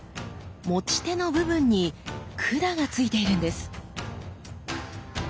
持ち手の部分に管がついているんです！